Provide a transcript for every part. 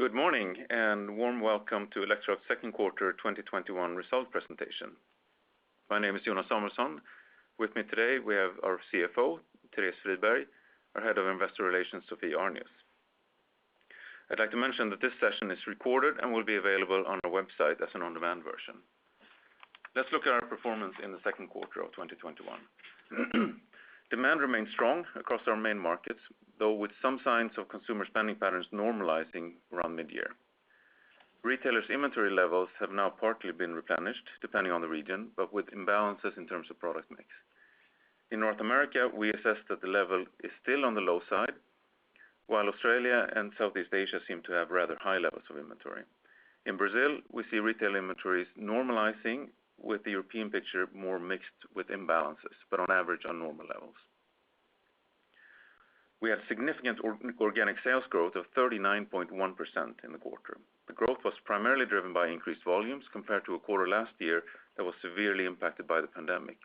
Good morning, and a warm welcome to Electrolux Second Quarter 2021 rResult Presentation. My name is Jonas Samuelson. With me today, we have our CFO, Therese Friberg, our Head of Investor Relations, Sophie Arnius. I'd like to mention that this session is recorded and will be available on our website as an on-demand version. Let's look at our performance in the second quarter of 2021. Demand remains strong across our main markets, though with some signs of consumer spending patterns normalizing around mid-year. Retailers' inventory levels have now partly been replenished depending on the region, but with imbalances in terms of product mix. In North America, we assess that the level is still on the low side, while Australia and Southeast Asia seem to have rather high levels of inventory. In Brazil, we see retail inventories normalizing with the European picture more mixed with imbalances, but on average, on normal levels. We had significant organic sales growth of 39.1% in the quarter. The growth was primarily driven by increased volumes compared to a quarter last year that was severely impacted by the pandemic.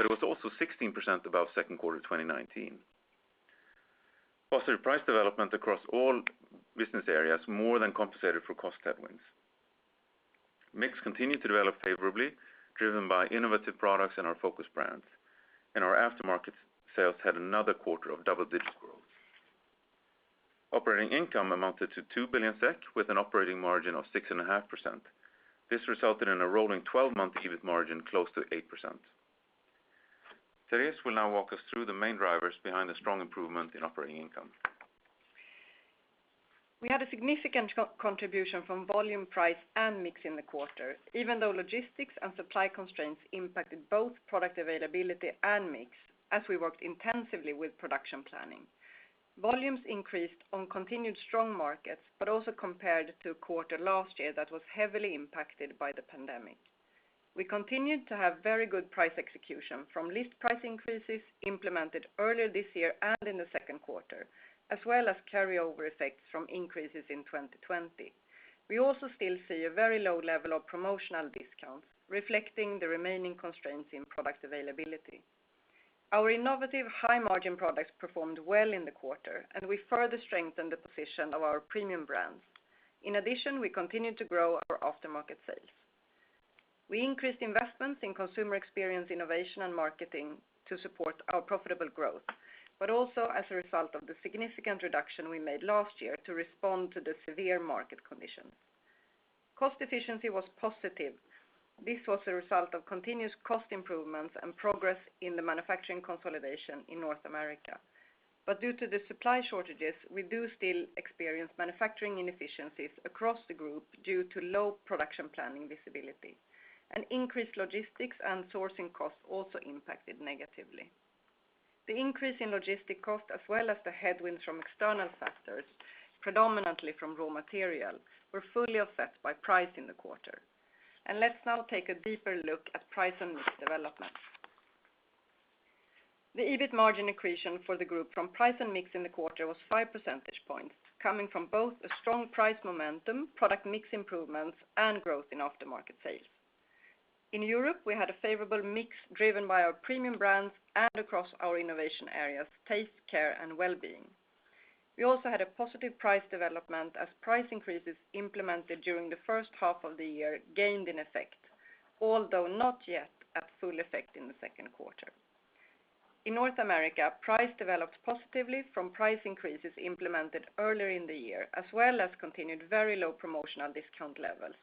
It was also 16% above second quarter 2019. Positive price development across all business areas more than compensated for cost headwinds. Mix continued to develop favorably, driven by innovative products and our focus brands. Our aftermarket sales had another quarter of double-digit growth. Operating income amounted to 2 billion SEK, with an operating margin of 6.5%. This resulted in a rolling 12-month EBIT margin close to 8%. Therese will now walk us through the main drivers behind the strong improvement in operating income. We had a significant contribution from volume, price, and mix in the quarter, even though logistics and supply constraints impacted both product availability and mix, as we worked intensively with production planning. Volumes increased on continued strong markets, but also compared to a quarter last year that was heavily impacted by the pandemic. We continued to have very good price execution from list price increases implemented earlier this year and in the second quarter, as well as carryover effects from increases in 2020. We also still see a very low level of promotional discounts, reflecting the remaining constraints in product availability. Our innovative high-margin products performed well in the quarter, and we further strengthened the position of our premium brands. In addition, we continued to grow our aftermarket sales. We increased investments in consumer experience, innovation, and marketing to support our profitable growth, but also as a result of the significant reduction we made last year to respond to the severe market conditions. Cost efficiency was positive. This was a result of continuous cost improvements and progress in the manufacturing consolidation in North America. Due to the supply shortages, we do still experience manufacturing inefficiencies across the group due to low production planning visibility. Increased logistics and sourcing costs also impacted negatively. The increase in logistics cost, as well as the headwinds from external factors, predominantly from raw material, were fully offset by price in the quarter. Let's now take a deeper look at price and mix development. The EBIT margin accretion for the group from price and mix in the quarter was 5 percentage points, coming from both a strong price momentum, product mix improvements, and growth in aftermarket sales. In Europe, we had a favorable mix driven by our premium brands and across our innovation areas, taste, care, and wellbeing. We also had a positive price development as price increases implemented during the first half of the year gained in effect, although not yet at full effect in the second quarter. In North America, price developed positively from price increases implemented earlier in the year, as well as continued very low promotional discount levels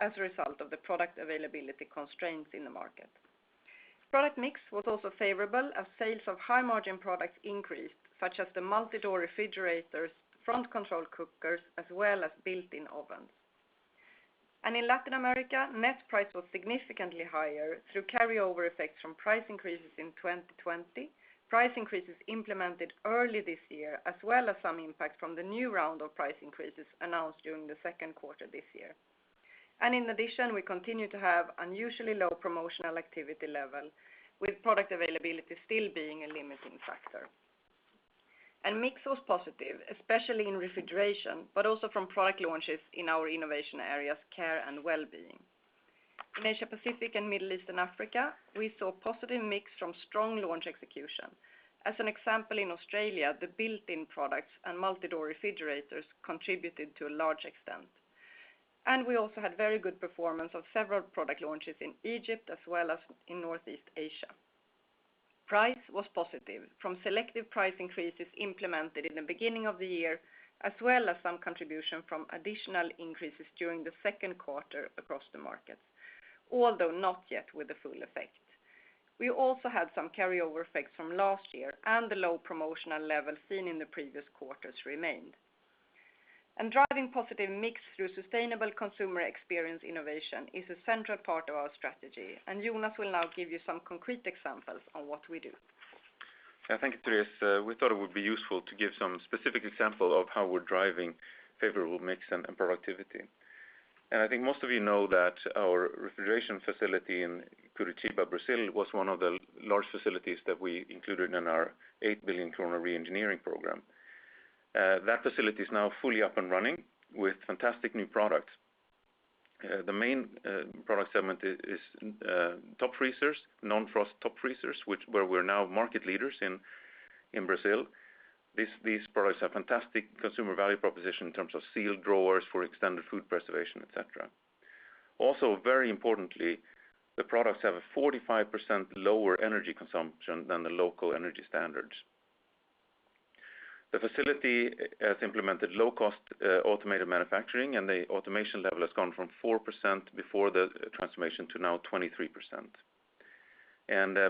as a result of the product availability constraints in the market. Product mix was also favorable as sales of high-margin products increased, such as the multi-door refrigerators, front-control cookers, as well as built-in ovens. In Latin America, net price was significantly higher through carryover effects from price increases in 2020, price increases implemented early this year, as well as some impact from the new round of price increases announced during the second quarter this year. In addition, we continue to have unusually low promotional activity level, with product availability still being a limiting factor. Mix was positive, especially in refrigeration, but also from product launches in our innovation areas, care and wellbeing. In Asia Pacific and Middle East and Africa, we saw positive mix from strong launch execution. As an example, in Australia, the built-in products and multi-door refrigerators contributed to a large extent. We also had very good performance of several product launches in Egypt, as well as in Northeast Asia. Price was positive from selective price increases implemented in the beginning of the year, as well as some contribution from additional increases during the second quarter across the markets, although not yet with the full effect. We also had some carryover effects from last year, and the low promotional level seen in the previous quarters remained. Driving positive mix through sustainable consumer experience innovation is a central part of our strategy, and Jonas will now give you some concrete examples on what we do. Thank you, Therese. We thought it would be useful to give some specific example of how we're driving favorable mix and productivity. I think most of you know that our refrigeration facility in Curitiba, Brazil, was one of the large facilities that we included in our 8 billion kronor re-engineering program. That facility is now fully up and running with fantastic new products. The main product segment is top freezers, non-frost top freezers, where we're now market leaders in Brazil. These products have fantastic consumer value proposition in terms of sealed drawers for extended food preservation, et cetera. Also, very importantly, the products have a 45% lower energy consumption than the local energy standards. The facility has implemented low cost automated manufacturing, and the automation level has gone from 4% before the transformation to now 23%.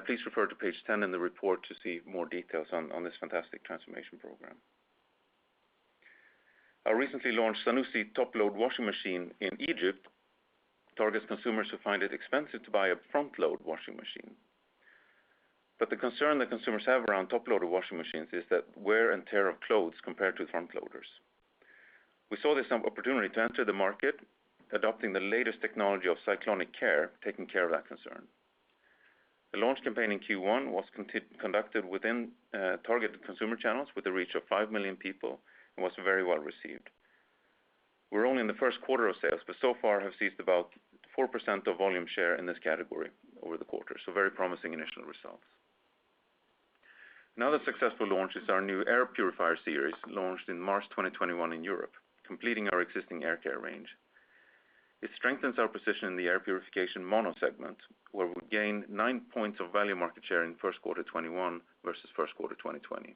Please refer to page 10 in the report to see more details on this fantastic transformation program. Our recently launched Zanussi top load washing machine in Egypt targets consumers who find it expensive to buy a front load washing machine. The concern that consumers have around top loader washing machines is the wear and tear of clothes compared to front loaders. We saw this as an opportunity to enter the market, adopting the latest technology of cyclonic care, taking care of that concern. The launch campaign in Q1 was conducted within targeted consumer channels with a reach of 5 million people and was very well received. We're only in the first quarter of sales, but so far have seized about 4% of volume share in this category over the quarter, so very promising initial results. Another successful launch is our new air purifier series, launched in March 2021 in Europe, completing our existing air care range. It strengthens our position in the air purification mono segment, where we gained nine points of value market share in first quarter 2021 versus first quarter 2020.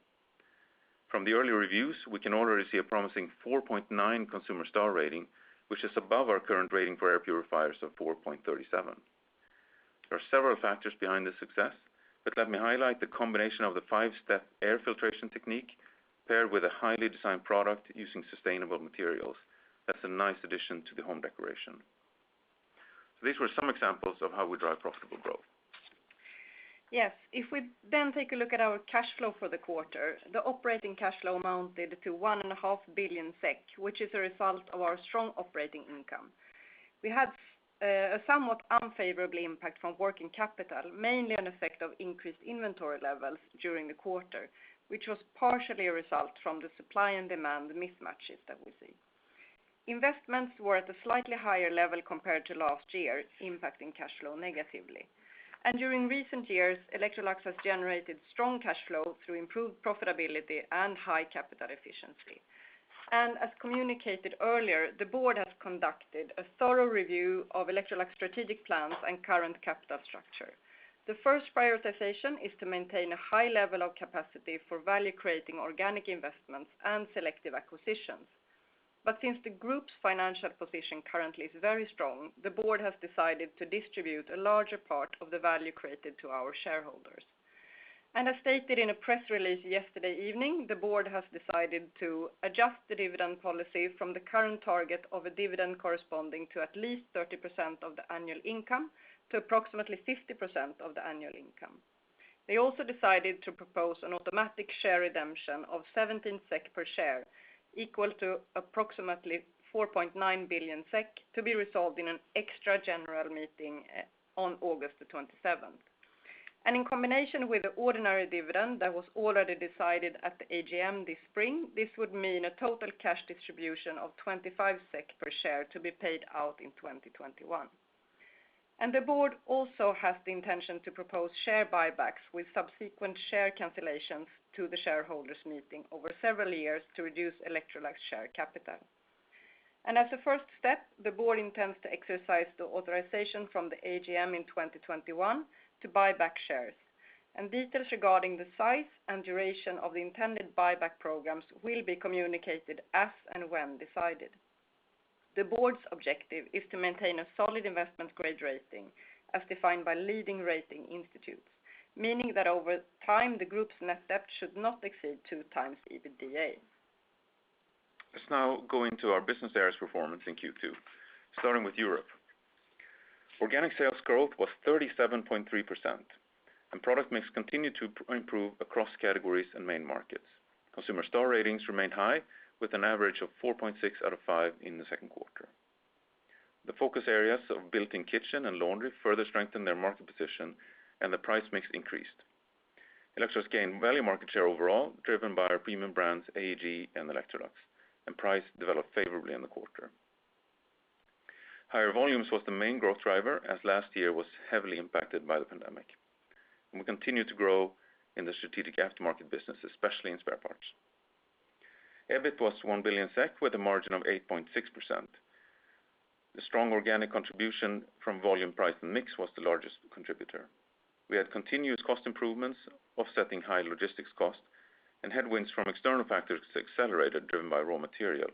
From the early reviews, we can already see a promising 4.9 consumer star rating, which is above our current rating for air purifiers of 4.37. There are several factors behind this success, but let me highlight the combination of the five-step air filtration technique paired with a highly designed product using sustainable materials. That's a nice addition to the home decoration. These were some examples of how we drive profitable growth. Yes. If we take a look at our cash flow for the quarter, the operating cash flow amounted to 1.5 billion SEK, which is a result of our strong operating income. We had a somewhat unfavorable impact from working capital, mainly an effect of increased inventory levels during the quarter, which was partially a result from the supply and demand mismatches that we see. Investments were at a slightly higher level compared to last year, impacting cash flow negatively. During recent years, Electrolux has generated strong cash flow through improved profitability and high capital efficiency. As communicated earlier, the board has conducted a thorough review of Electrolux strategic plans and current capital structure. The first prioritization is to maintain a high level of capacity for value-creating organic investments and selective acquisitions. Since the group's financial position currently is very strong, the board has decided to distribute a larger part of the value created to our shareholders. As stated in a press release yesterday evening, the board has decided to adjust the dividend policy from the current target of a dividend corresponding to at least 30% of the annual income to approximately 50% of the annual income. They also decided to propose an automatic share redemption of 17 SEK per share, equal to approximately 4.9 billion SEK, to be resolved in an extra general meeting on August 27th. In combination with the ordinary dividend that was already decided at the AGM this spring, this would mean a total cash distribution of 25 SEK per share to be paid out in 2021. The board also has the intention to propose share buybacks with subsequent share cancellations to the shareholders meeting over several years to reduce Electrolux share capital. As a first step, the board intends to exercise the authorization from the AGM in 2021 to buy back shares, and details regarding the size and duration of the intended buyback programs will be communicated as and when decided. The board's objective is to maintain a solid investment grade rating as defined by leading rating institutes, meaning that over time, the group's net debt should not exceed two times EBITDA. Let's now go into our business areas performance in Q2, starting with Europe. Organic sales growth was 37.3%. Product mix continued to improve across categories and main markets. Consumer star ratings remained high, with an average of 4.6 out of five in the second quarter. The focus areas of built-in kitchen and laundry further strengthened their market position and the price mix increased. Electrolux gained value market share overall, driven by our premium brands AEG and Electrolux, and price developed favorably in the quarter. Higher volumes was the main growth driver, as last year was heavily impacted by the pandemic. We continue to grow in the strategic aftermarket business, especially in spare parts. EBIT was 1 billion SEK with a margin of 8.6%. The strong organic contribution from volume, price, and mix was the largest contributor. We had continuous cost improvements offsetting high logistics costs and headwinds from external factors accelerated, driven by raw material,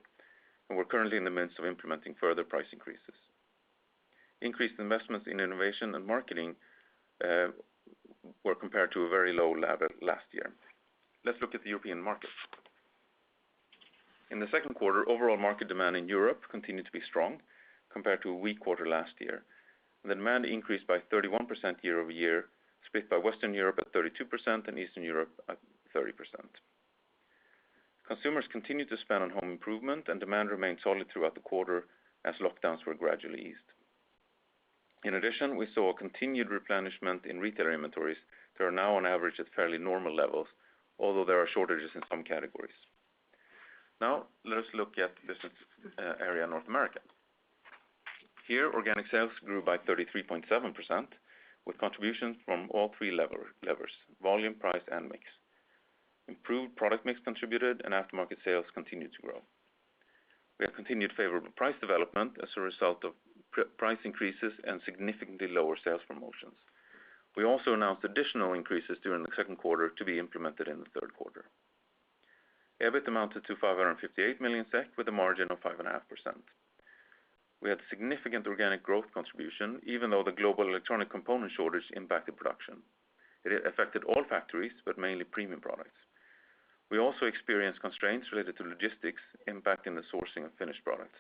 we're currently in the midst of implementing further price increases. Increased investments in innovation and marketing were compared to a very low base last year. Let's look at the European market. In the second quarter, overall market demand in Europe continued to be strong compared to a weak quarter last year. The demand increased by 31% year-over-year, split by Western Europe at 32% and Eastern Europe at 30%. Consumers continued to spend on home improvement, demand remained solid throughout the quarter as lockdowns were gradually eased. In addition, we saw a continued replenishment in retailer inventories that are now on average at fairly normal levels, although there are shortages in some categories. Now let us look at Business Area North America. Here, organic sales grew by 33.7%, with contributions from all three levers, volume, price, and mix. Improved product mix contributed and aftermarket sales continued to grow. We have continued favorable price development as a result of price increases and significantly lower sales promotions. We also announced additional increases during the second quarter to be implemented in the third quarter. EBIT amounted to 558 million SEK, with a margin of 5.5%. We had significant organic growth contribution, even though the global electronic component shortage impacted production. It affected all factories, but mainly premium products. We also experienced constraints related to logistics impacting the sourcing of finished products.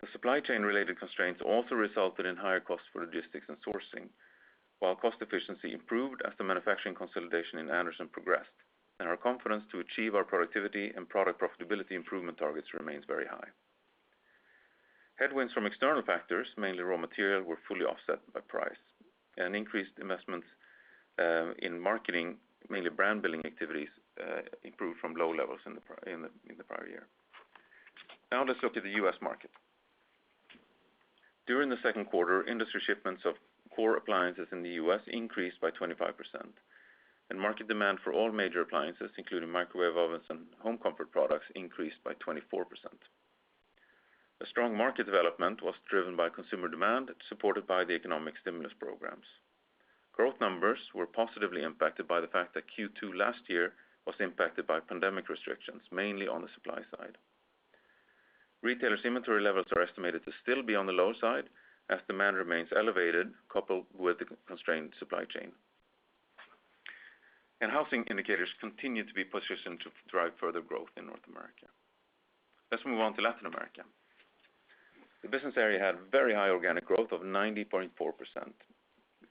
The supply chain related constraints also resulted in higher costs for logistics and sourcing, while cost efficiency improved as the manufacturing consolidation in Anderson progressed. Our confidence to achieve our productivity and product profitability improvement targets remains very high. Headwinds from external factors, mainly raw material, were fully offset by price, and increased investments in marketing, mainly brand-building activities, improved from low levels in the prior year. Let's look at the U.S. market. During the second quarter, industry shipments of core appliances in the U.S. increased by 25%, and market demand for all major appliances, including microwave ovens and home comfort products, increased by 24%. A strong market development was driven by consumer demand, supported by the economic stimulus programs. Growth numbers were positively impacted by the fact that Q2 last year was impacted by pandemic restrictions, mainly on the supply side. Retailers' inventory levels are estimated to still be on the low side as demand remains elevated, coupled with the constrained supply chain. Housing indicators continue to be positioned to drive further growth in North America. Let's move on to Latin America. The business area had very high organic growth of 90.4%.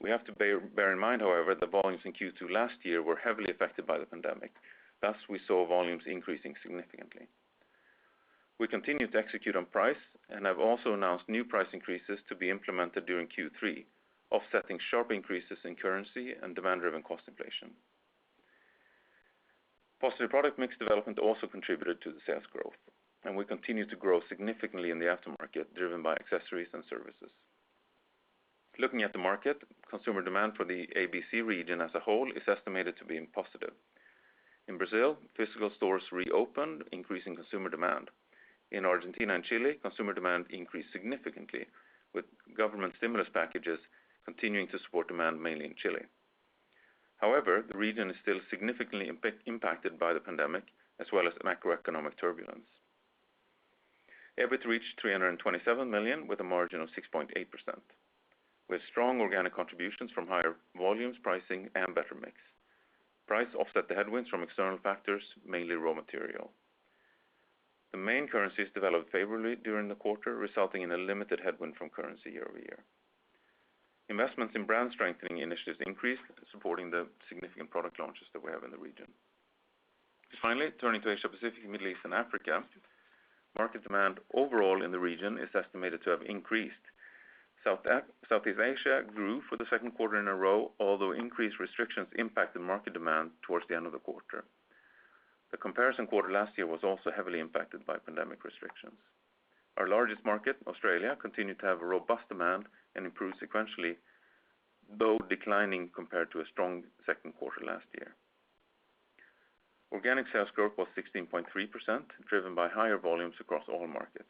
We have to bear in mind, however, the volumes in Q2 last year were heavily affected by the pandemic. Thus, we saw volumes increasing significantly. We continued to execute on price and have also announced new price increases to be implemented during Q3, offsetting sharp increases in currency and demand-driven cost inflation. Positive product mix development also contributed to the sales growth, and we continue to grow significantly in the aftermarket, driven by accessories and services. Looking at the market, consumer demand for the ABC region as a whole is estimated to be positive. In Brazil, physical stores reopened, increasing consumer demand. In Argentina and Chile, consumer demand increased significantly, with government stimulus packages continuing to support demand, mainly in Chile. However, the region is still significantly impacted by the pandemic as well as macroeconomic turbulence. EBIT reached 327 million, with a margin of 6.8%, with strong organic contributions from higher volumes, pricing, and better mix. Price offset the headwinds from external factors, mainly raw material. The main currencies developed favorably during the quarter, resulting in a limited headwind from currency year-over-year. Investments in brand strengthening initiatives increased, supporting the significant product launches that we have in the region. Finally, turning to Asia Pacific, Middle East, and Africa, market demand overall in the region is estimated to have increased. Southeast Asia grew for the second quarter in a row, although increased restrictions impacted market demand towards the end of the quarter. The comparison quarter last year was also heavily impacted by pandemic restrictions. Our largest market, Australia, continued to have a robust demand and improved sequentially, though declining compared to a strong second quarter last year. Organic sales growth was 16.3%, driven by higher volumes across all markets.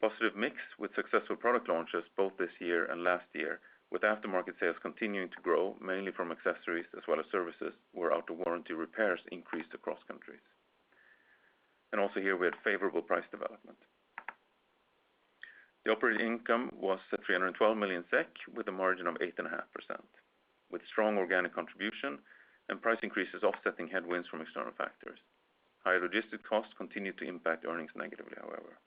Positive mix with successful product launches both this year and last year, with aftermarket sales continuing to grow, mainly from accessories as well as services, where out of warranty repairs increased across countries. Also here we had favorable price development. The operating income was at 312 million SEK with a margin of 8.5%, with strong organic contribution and price increases offsetting headwinds from external factors. Higher logistic costs continued to impact earnings negatively, however.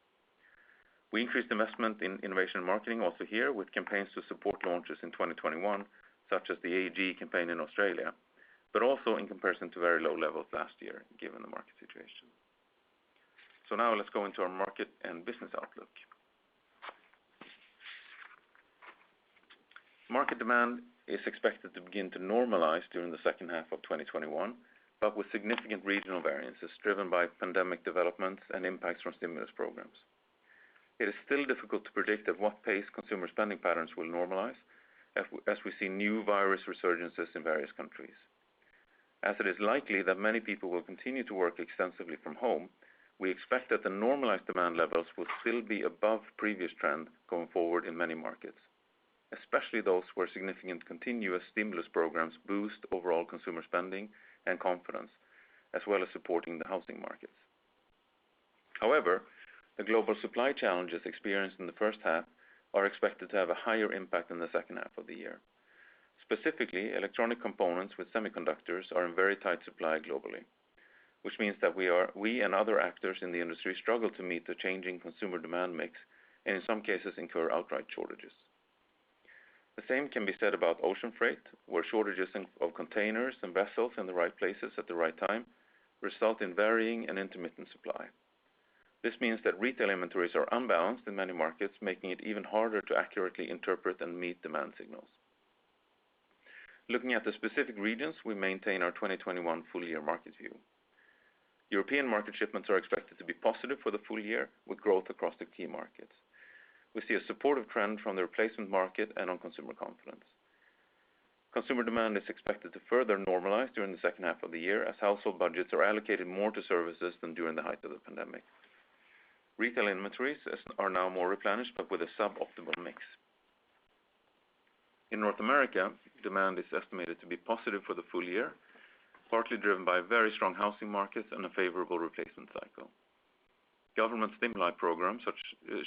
We increased investment in innovation marketing also here with campaigns to support launches in 2021, such as the AEG campaign in Australia, but also in comparison to very low levels last year given the market situation. Now let's go into our market and business outlook. Market demand is expected to begin to normalize during the second half of 2021, but with significant regional variances driven by pandemic developments and impacts from stimulus programs. It is still difficult to predict at what pace consumer spending patterns will normalize, as we see new virus resurgences in various countries. As it is likely that many people will continue to work extensively from home, we expect that the normalized demand levels will still be above previous trends going forward in many markets, especially those where significant continuous stimulus programs boost overall consumer spending and confidence, as well as supporting the housing markets. However, the global supply challenges experienced in the first half are expected to have a higher impact in the second half of the year. Specifically, electronic components with semiconductors are in very tight supply globally, which means that we and other actors in the industry struggle to meet the changing consumer demand mix and in some cases incur outright shortages. The same can be said about ocean freight, where shortages of containers and vessels in the right places at the right time result in varying and intermittent supply. This means that retail inventories are unbalanced in many markets, making it even harder to accurately interpret and meet demand signals. Looking at the specific regions, we maintain our 2021 full year market view. European market shipments are expected to be positive for the full year, with growth across the key markets. We see a supportive trend from the replacement market and on consumer confidence. Consumer demand is expected to further normalize during the second half of the year, as household budgets are allocated more to services than during the height of the pandemic. Retail inventories are now more replenished, but with a suboptimal mix. In North America, demand is estimated to be positive for the full year, partly driven by very strong housing markets and a favorable replacement cycle. Government stimuli programs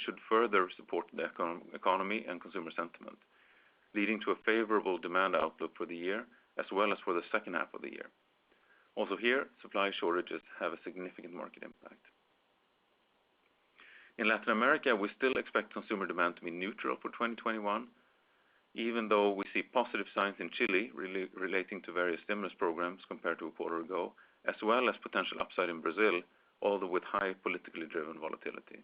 should further support the economy and consumer sentiment, leading to a favorable demand outlook for the year as well as for the second half of the year. Also here, supply shortages have a significant market impact. In Latin America, we still expect consumer demand to be neutral for 2021, even though we see positive signs in Chile relating to various stimulus programs compared to quarter ago, as well as potential upside in Brazil, although with high politically driven volatility.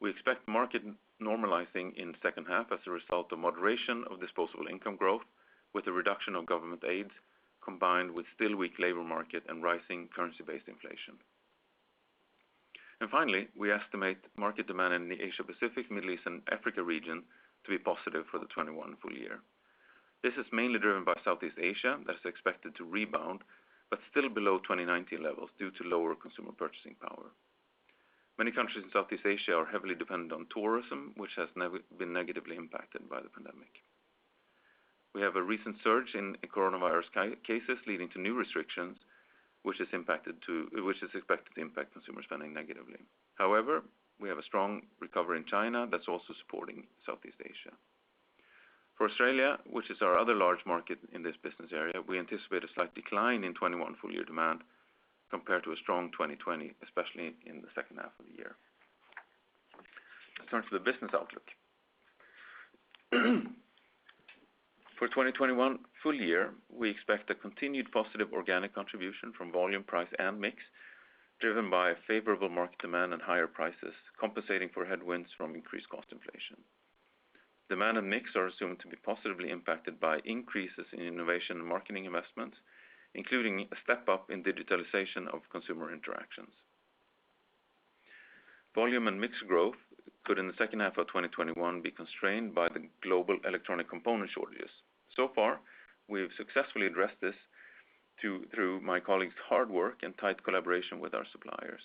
We expect market normalizing in second half as a result of moderation of disposable income growth with a reduction of government aid, combined with still weak labor market and rising currency-based inflation. Finally, we estimate market demand in the Asia-Pacific, Middle East, and Africa region to be positive for the 2021 full year. This is mainly driven by Southeast Asia that's expected to rebound, but still below 2019 levels due to lower consumer purchasing power. Many countries in Southeast Asia are heavily dependent on tourism, which has been negatively impacted by the pandemic. We have a recent surge in coronavirus cases leading to new restrictions, which is expected to impact consumer spending negatively. However, we have a strong recovery in China that's also supporting Southeast Asia. For Australia, which is our other large market in this business area, we anticipate a slight decline in 2021 full year demand compared to a strong 2020, especially in the second half of the year. Turning to the business outlook. For 2021 full year, we expect a continued positive organic contribution from volume, price, and mix, driven by a favorable market demand and higher prices, compensating for headwinds from increased cost inflation. Demand and mix are assumed to be positively impacted by increases in innovation and marketing investments, including a step up in digitalization of consumer interactions. Volume and mix growth could, in the second half of 2021, be constrained by the global electronic component shortages. Far, we have successfully addressed this through my colleagues' hard work and tight collaboration with our suppliers.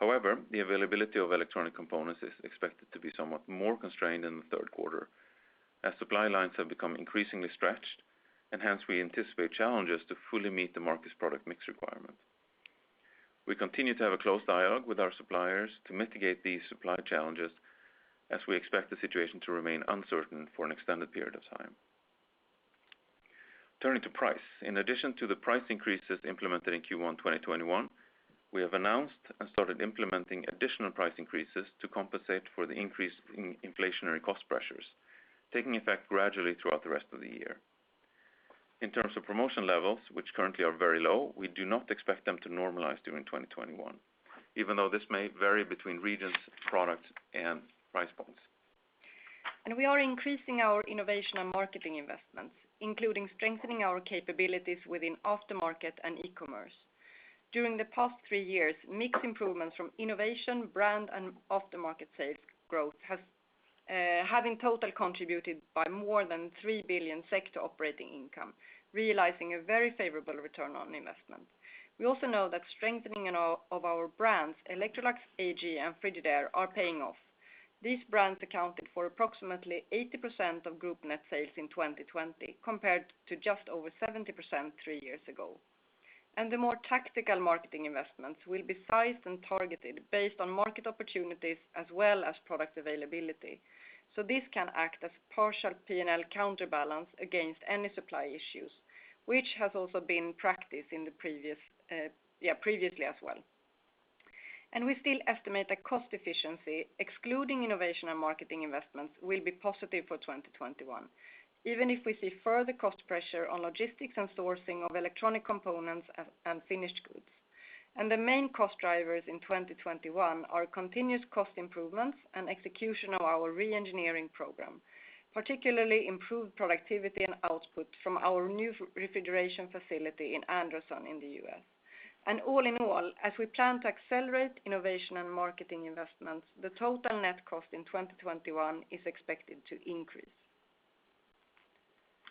The availability of electronic components is expected to be somewhat more constrained in the third quarter as supply lines have become increasingly stretched, and hence we anticipate challenges to fully meet the market's product mix requirement. We continue to have a close dialogue with our suppliers to mitigate these supply challenges as we expect the situation to remain uncertain for an extended period of time. Turning to price. In addition to the price increases implemented in Q1 2021, we have announced and started implementing additional price increases to compensate for the increased inflationary cost pressures, taking effect gradually throughout the rest of the year. In terms of promotion levels, which currently are very low, we do not expect them to normalize during 2021, even though this may vary between regions, products, and price points. We are increasing our innovation and marketing investments, including strengthening our capabilities within aftermarket and e-commerce. During the past three years, mix improvements from innovation, brand, and aftermarket sales growth have in total contributed by more than 3 billion to operating income, realizing a very favorable return on investment. We also know that strengthening of our brands, Electrolux, AEG, and Frigidaire, are paying off. These brands accounted for approximately 80% of group net sales in 2020, compared to just over 70% three years ago. The more tactical marketing investments will be sized and targeted based on market opportunities as well as product availability. This can act as partial P&L counterbalance against any supply issues, which has also been practiced previously as well. We still estimate that cost efficiency, excluding innovation and marketing investments, will be positive for 2021, even if we see further cost pressure on logistics and sourcing of electronic components and finished goods. The main cost drivers in 2021 are continuous cost improvements and execution of our re-engineering program, particularly improved productivity and output from our new refrigeration facility in Anderson in the U.S. All in all, as we plan to accelerate innovation and marketing investments, the total net cost in 2021 is expected to increase.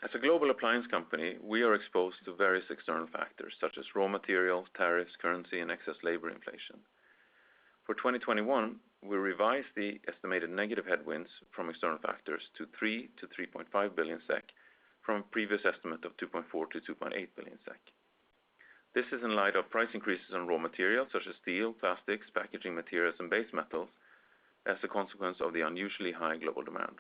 As a global appliance company, we are exposed to various external factors, such as raw materials, tariffs, currency, and excess labor inflation. For 2021, we revised the estimated negative headwinds from external factors to 3 billion-3.5 billion SEK from a previous estimate of 2.4 billion-2.8 billion SEK. This is in light of price increases on raw materials such as steel, plastics, packaging materials, and base metals as a consequence of the unusually high global demand.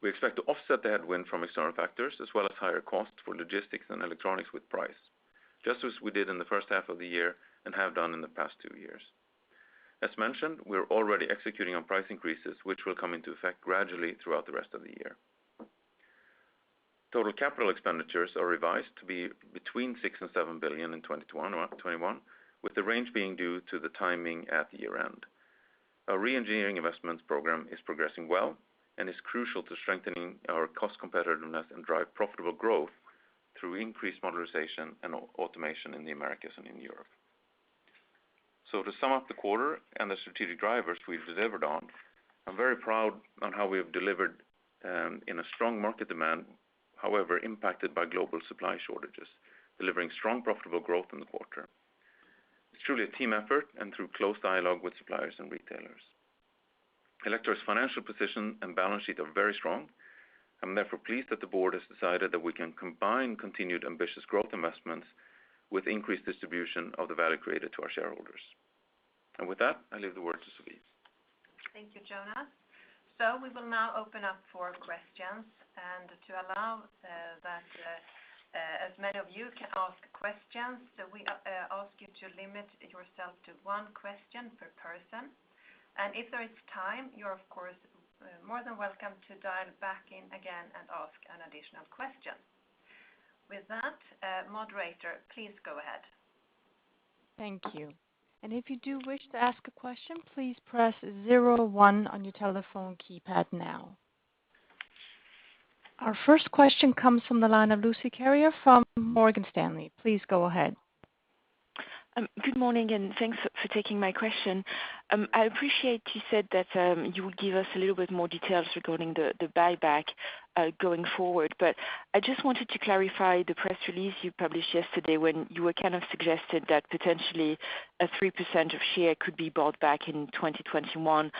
We expect to offset the headwind from external factors as well as higher costs for logistics and electronics with price. Just as we did in the first half of the year and have done in the past two years. As mentioned, we are already executing on price increases, which will come into effect gradually throughout the rest of the year. Total CapEx are revised to be between 6 billion and 7 billion in 2021, with the range being due to the timing at year-end. Our re-engineering investments program is progressing well and is crucial to strengthening our cost competitiveness and drive profitable growth through increased modernization and automation in the Americas and in Europe. To sum up the quarter and the strategic drivers we've delivered on, I'm very proud on how we have delivered in a strong market demand, however, impacted by global supply shortages, delivering strong, profitable growth in the quarter. It's truly a team effort and through close dialogue with suppliers and retailers. Electrolux financial position and balance sheet are very strong. I'm therefore pleased that the board has decided that we can combine continued ambitious growth investments with increased distribution of the value created to our shareholders. With that, I leave the word to Sophie. Thank you, Jonas. We will now open up for questions and to allow that as many of you can ask questions, we ask you to limit yourself to one question per person. If there is time, you're of course more than welcome to dial back in again and ask an additional question. With that, moderator, please go ahead. Thank you, if you do wish to ask the question please press zero one on your telephone keypad now. Our first question comes from the line of Lucie Carrier from Morgan Stanley. Please go ahead. Good morning. Thanks for taking my question. I appreciate you said that you would give us a little bit more details regarding the buyback going forward, but I just wanted to clarify the press release you published yesterday when you kind of suggested that potentially 3% of share could be bought back in 2021,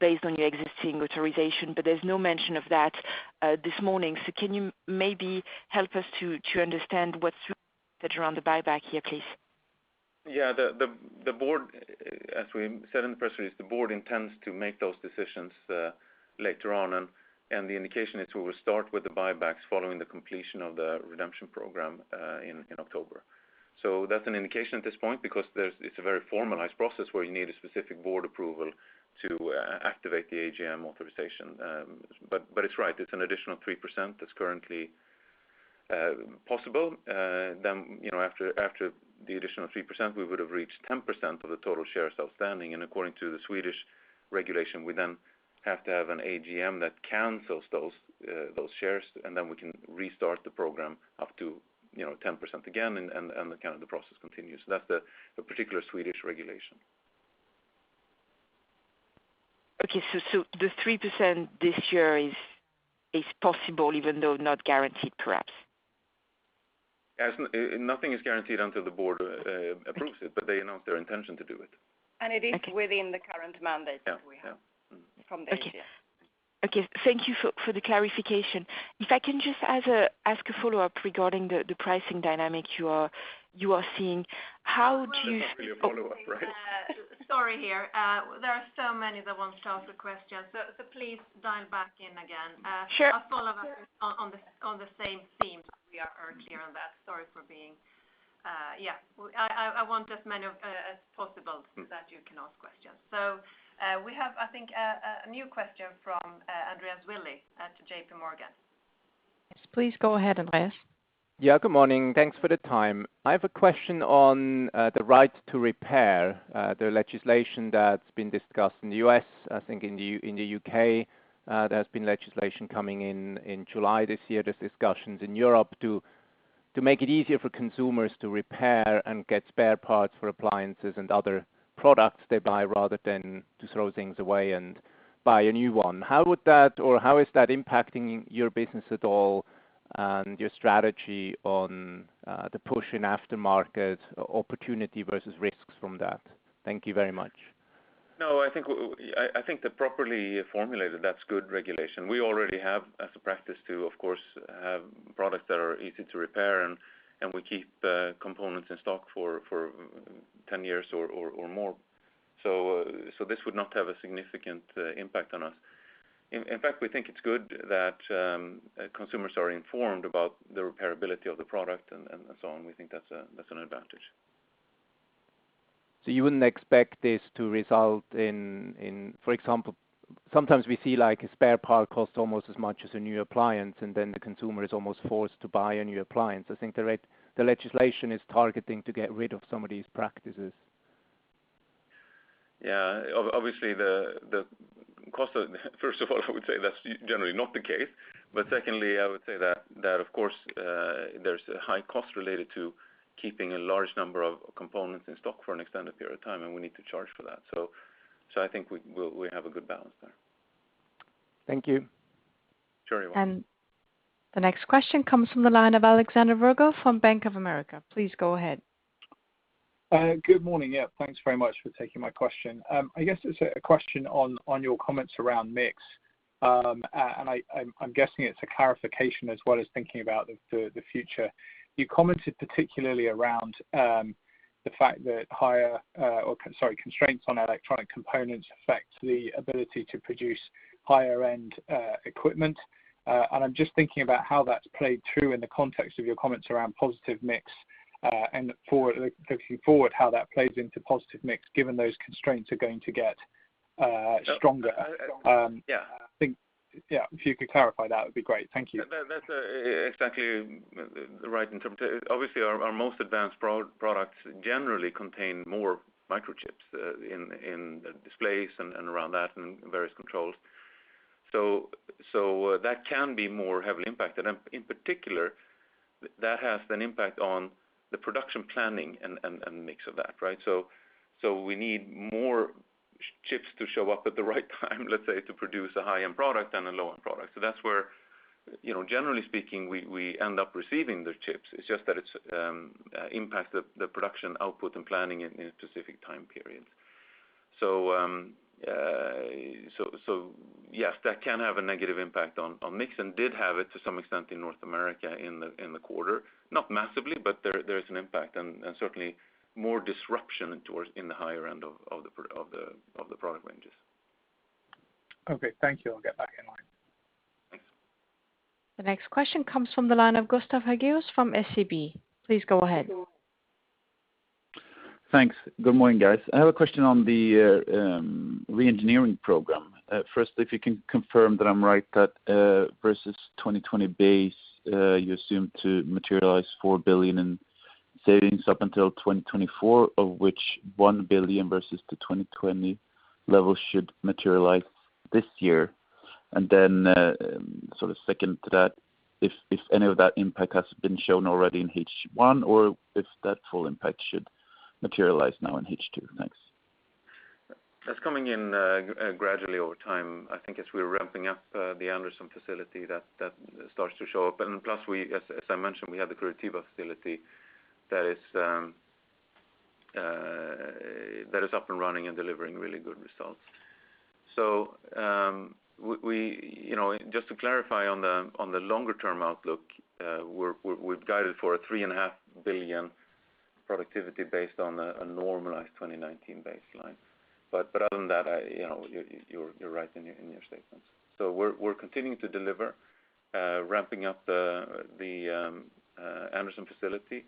based on your existing authorization. There's no mention of that this morning. Can you maybe help us to understand what's around the buyback here, please? Yeah. As we said in the press release, the board intends to make those decisions later on. The indication is we will start with the buybacks following the completion of the redemption program in October. That's an indication at this point because it's a very formalized process where you need a specific board approval to activate the AGM authorization. It's right, it's an additional 3% that's currently possible. After the additional 3%, we would have reached 10% of the total shares outstanding. According to the Swedish regulation, we then have to have an AGM that cancels those shares, and then we can restart the program up to 10% again, and the process continues. That's the particular Swedish regulation. Okay. The 3% this year is possible even though not guaranteed, perhaps? Nothing is guaranteed until the board approves it, but they announce their intention to do it. It is within the current mandate that we have from the AGM. Okay. Thank you for the clarification. If I can just ask a follow-up regarding the pricing dynamic you are seeing. Sorry, there are so many that want to ask the question. Please dial back in again. Sure. A follow-up on the same theme. We are clear on that. I want as many as possible that you can ask questions. We have, I think, a new question from Andreas Willi at JPMorgan. Yes. Please go ahead, Andreas. Yeah. Good morning. Thanks for the time. I have a question on the right to repair the legislation that's been discussed in the U.S. I think in the U.K., there has been legislation coming in July this year. There's discussions in Europe to make it easier for consumers to repair and get spare parts for appliances and other products they buy rather than to throw things away and buy a new one. How is that impacting your business at all and your strategy on the push in aftermarket opportunity versus risks from that? Thank you very much. No, I think that properly formulated, that's good regulation. We already have as a practice to, of course, have products that are easy to repair, and we keep components in stock for 10 years or more. This would not have a significant impact on us. In fact, we think it's good that consumers are informed about the repairability of the product and so on. We think that's an advantage. You wouldn't expect this to result in, for example, sometimes we see a spare part cost almost as much as a new appliance, and then the consumer is almost forced to buy a new appliance. I think the legislation is targeting to get rid of some of these practices. Yeah. Obviously, first of all, I would say that's generally not the case. Secondly, I would say that of course, there's a high cost related to keeping a large number of components in stock for an extended period of time, and we need to charge for that. I think we have a good balance there. Thank you. Sure. The next question comes from the line of Alexander Virgo from Bank of America. Please go ahead. Good morning. Yeah, thanks very much for taking my question. I guess it's a question on your comments around mix. I'm guessing it's a clarification as well as thinking about the future. You commented particularly around the fact that constraints on electronic components affect the ability to produce higher-end equipment. I'm just thinking about how that's played through in the context of your comments around positive mix, and looking forward, how that plays into positive mix, given those constraints are going to get stronger. Yeah. I think, yeah, if you could clarify that would be great. Thank you. That's exactly the right interpretation. Obviously, our most advanced products generally contain more microchips in the displays and around that and various controls. That can be more heavily impacted. In particular, that has an impact on the production planning and mix of that. We need more chips to show up at the right time, let's say, to produce a high-end product than a low-end product. That's where, generally speaking, we end up receiving the chips. It's just that it's impacted the production output and planning in a specific time period. Yes, that can have a negative impact on mix and did have it to some extent in North America in the quarter. Not massively, but there is an impact, and certainly more disruption towards in the higher end of the product ranges. Okay, thank you. I'll get back in line. Thanks. The next question comes from the line of Gustav Hagéus from SEB. Please go ahead. Thanks. Good morning, guys. I have a question on the re-engineering program. Firstly, if you can confirm that I am right, that versus 2020 base, you assume to materialize 4 billion in savings up until 2024, of which 1 billion versus the 2020 level should materialize this year. And then, second to that, if any of that impact has been shown already in H1 or if that full impact should materialize now in H2. Thanks. That's coming in gradually over time. I think as we're ramping up the Anderson facility, that starts to show up. Plus, as I mentioned, we have the Curitiba facility that is up and running and delivering really good results. Just to clarify on the longer-term outlook, we've guided for 3.5 billion productivity based on a normalized 2019 baseline. Other than that, you're right in your statements. We're continuing to deliver, ramping up the Anderson facility.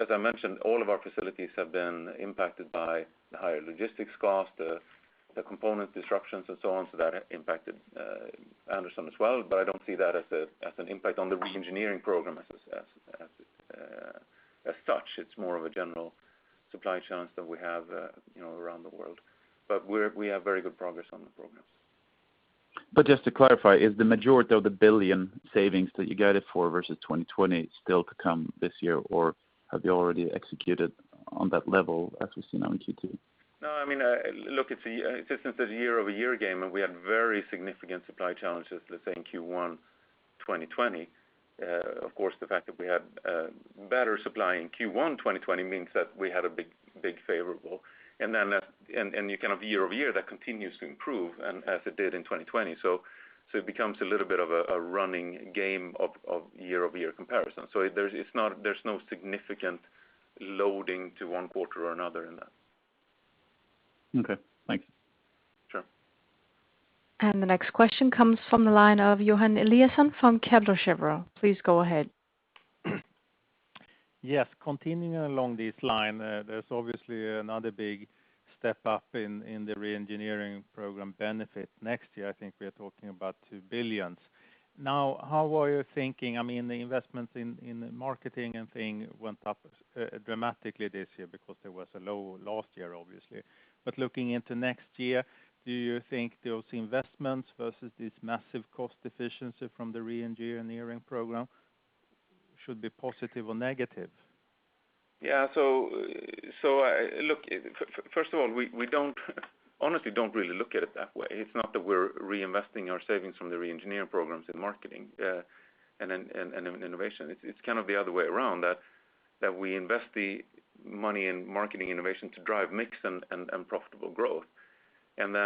As I mentioned, all of our facilities have been impacted by the higher logistics cost, the component disruptions and so on. That impacted Anderson as well. I don't see that as an impact on the Re-engineering Program as such. It's more of a general supply challenge that we have around the world. We have very good progress on the program. Just to clarify, is the majority of the 1 billion savings that you guided for versus 2020 still to come this year, or have you already executed on that level as we've seen now in Q2? No, look, it's just this year-over-year game, and we had very significant supply challenges, let's say, in Q1 2020. Of course, the fact that we had better supply in Q1 2020 means that we had a big favorable. Year-over-year, that continues to improve as it did in 2020. It becomes a little bit of a running game of year-over-year comparison. There's no significant loading to one quarter or another in that. Okay, thanks. Sure. The next question comes from the line of Johan Eliason from Kepler Cheuvreux. Please go ahead. Yes. Continuing along this line, there's obviously another big step up in the re-engineering program benefits next year. I think we're talking about 2 billion. How are you thinking? The investments in marketing and things went up dramatically this year because there was a low last year, obviously. Looking into next year, do you think those investments versus this massive cost efficiency from the re-engineering program should be positive or negative? Yeah. Look, first of all, we honestly don't really look at it that way. It's not that we're reinvesting our savings from the re-engineering programs in marketing and innovation. It's kind of the other way around, that we invest the money in marketing innovation to drive mix and profitable growth. In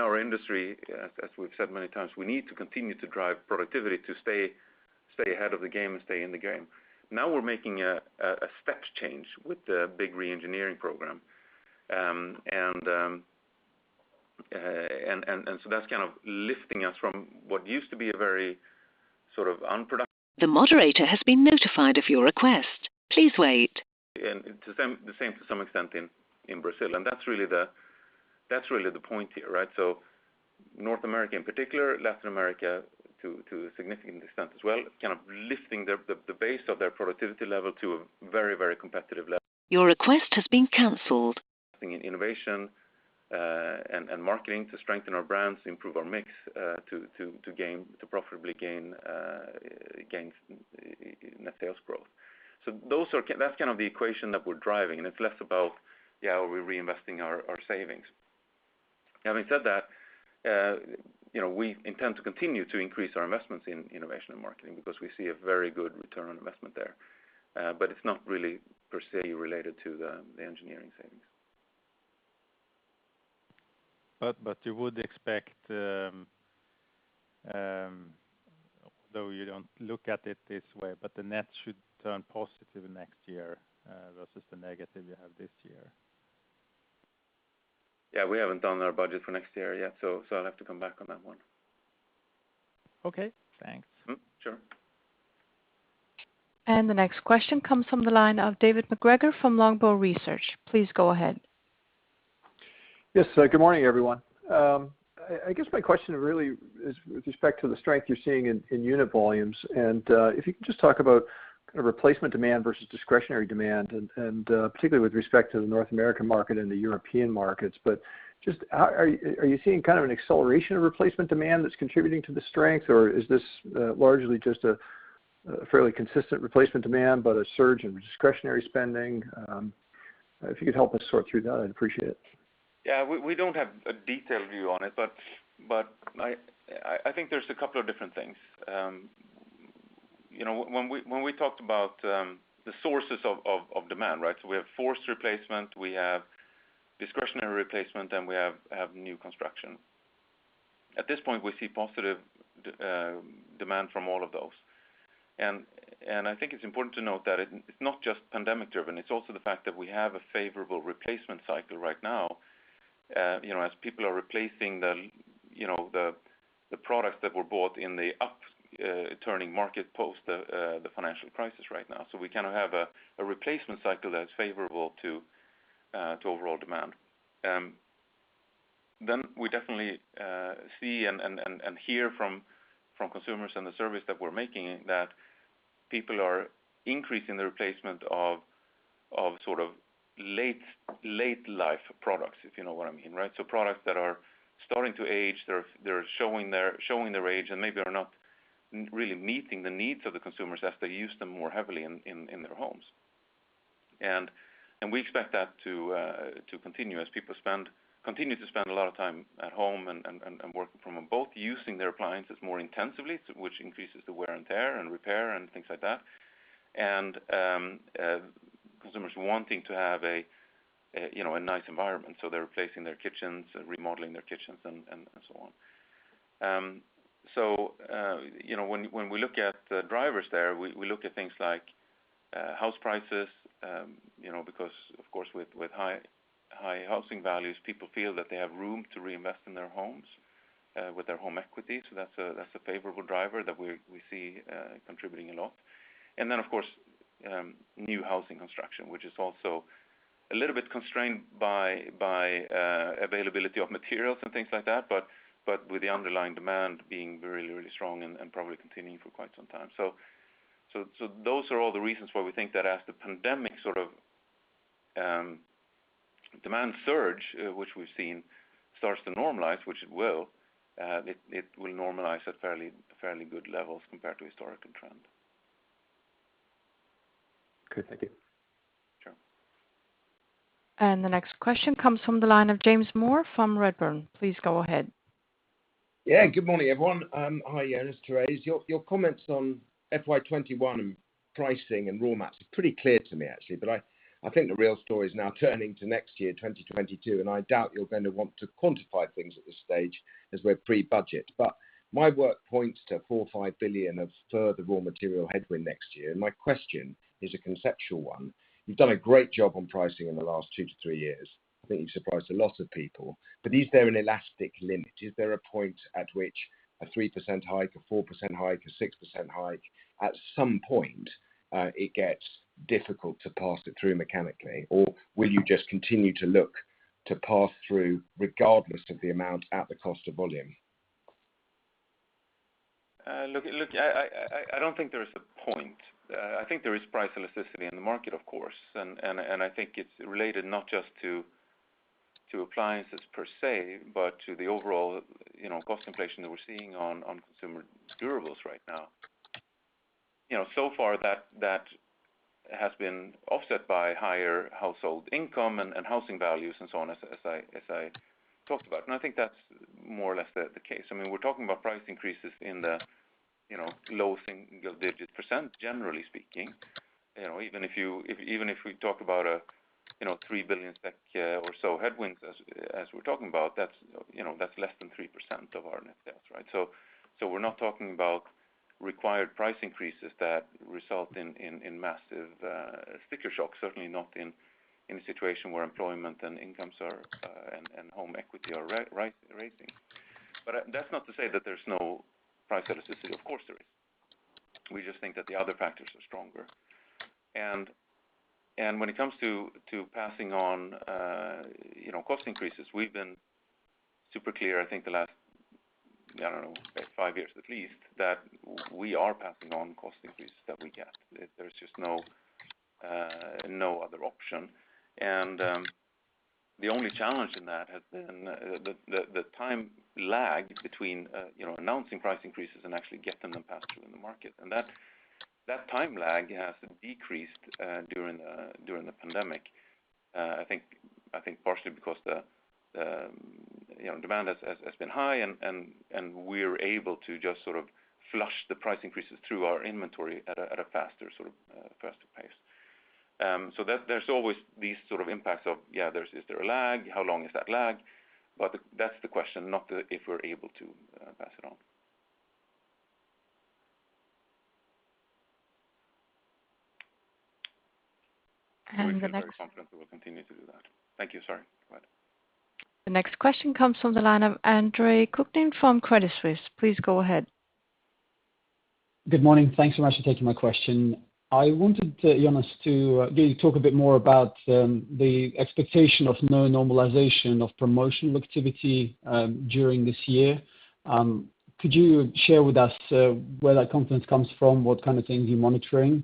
our industry, as we've said many times, we need to continue to drive productivity to stay ahead of the game and stay in the game. Now we're making a step change with the big re-engineering program. That's kind of lifting us from what used to be a very sort of unproductive. The same to some extent in Brazil. That's really the point here. North America in particular, Latin America to a significant extent as well, kind of lifting the base of their productivity level to a very competitive level. Investing in innovation and marketing to strengthen our brands, improve our mix, to profitably gain net sales growth. That's kind of the equation that we're driving, and it's less about, yeah, are we reinvesting our savings? Having said that, we intend to continue to increase our investments in innovation and marketing because we see a very good return on investment there. It's not really per se related to the engineering savings. You would expect, though you don't look at it this way, but the net should turn positive next year versus the negative you have this year. Yeah. We haven't done our budget for next year yet, so I'll have to come back on that one. Okay, thanks. Sure. The next question comes from the line of David MacGregor from Longbow Research. Please go ahead. Yes. Good morning, everyone. I guess my question really is with respect to the strength you're seeing in unit volumes, and if you can just talk about replacement demand versus discretionary demand, and particularly with respect to the North American market and the European markets. Are you seeing an acceleration of replacement demand that's contributing to the strength, or is this largely just a fairly consistent replacement demand but a surge in discretionary spending? If you could help us sort through that, I'd appreciate it. We don't have a detailed view on it, but I think there's a couple of different things. When we talked about the sources of demand, we have forced replacement, we have discretionary replacement, and we have new construction. At this point, we see positive demand from all of those, I think it's important to note that it's not just pandemic-driven, it's also the fact that we have a favorable replacement cycle right now as people are replacing the products that were bought in the upturning market post the financial crisis right now. We have a replacement cycle that's favorable to overall demand. We definitely see and hear from consumers and the surveys that we're making, that people are increasing the replacement of late life products, if you know what I mean. Products that are starting to age, they're showing their age and maybe are not really meeting the needs of the consumers as they use them more heavily in their homes. We expect that to continue as people continue to spend a lot of time at home and working from home, both using their appliances more intensively, which increases the wear and tear and repair and things like that, and consumers wanting to have a nice environment, so they're replacing their kitchens, remodeling their kitchens, and so on. When we look at the drivers there, we look at things like house prices, because of course, with high housing values, people feel that they have room to reinvest in their homes with their home equity. That's a favorable driver that we see contributing a lot. Of course, new housing construction, which is also a little bit constrained by availability of materials and things like that, but with the underlying demand being really strong and probably continuing for quite some time. Those are all the reasons why we think that as the pandemic demand surge, which we've seen, starts to normalize, which it will, it will normalize at fairly good levels compared to historical trend. Good. Thank you. Sure. The next question comes from the line of James Moore from Redburn. Please go ahead. Yeah. Good morning, everyone. Hi, Jonas, Therese. Your comments on FY 2021 pricing and raw materials is pretty clear to me, actually. I think the real story is now turning to next year, 2022. I doubt you're going to want to quantify things at this stage as we're pre-budget. My work points to 4 or 5 billion of further raw material headwind next year. My question is a conceptual one. You've done a great job on pricing in the last two-three years. I think you've surprised a lot of people. Is there an elastic limit? Is there a point at which a 3% hike, a 4% hike, a 6% hike, at some point, it gets difficult to pass it through mechanically? Will you just continue to look to pass through regardless of the amount at the cost of volume? Look, I don't think there is a point. I think there is price elasticity in the market, of course, and I think it's related not just to appliances per se, but to the overall cost inflation that we're seeing on consumer durables right now. So far that has been offset by higher household income and housing values and so on, as I talked about, and I think that's more or less the case. We're talking about price increases in the low single-digit percent, generally speaking. Even if we talk about a 3 billion or so headwind as we're talking about, that's less than 3% of our net sales. We're not talking about required price increases that result in massive sticker shock, certainly not in a situation where employment and incomes and home equity are rising. That's not to say that there's no price elasticity. Of course, there is. We just think that the other factors are stronger. When it comes to passing on cost increases, we've been super clear, I think the last, I don't know, five years at least, that we are passing on cost increases that we get. There's just no other option. The only challenge in that has been the time lag between announcing price increases and actually getting them passed through in the market. That time lag has decreased during the pandemic, I think partially because the demand has been high, and we're able to just flush the price increases through our inventory at a faster pace. There's always these sort of impacts of, yeah, is there a lag? How long is that lag? That's the question, not if we're able to pass it on. And the next. We feel very confident we will continue to do that. Thank you. Sorry, go ahead. The next question comes from the line of Andre Kukhnin from Credit Suisse. Please go ahead. Good morning. Thanks so much for taking my question. I wanted, Jonas, to get you to talk a bit more about the expectation of no normalization of promotional activity during this year. Could you share with us where that confidence comes from, what kind of things you're monitoring?